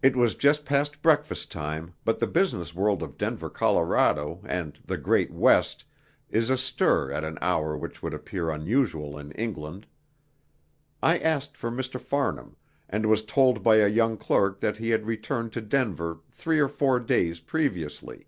It was just past breakfast time, but the business world of Denver, Colorado, and the "great West" is astir at an hour which would appear unusual in England. I asked for Mr. Farnham, and was told by a young clerk that he had returned to Denver three or four days previously.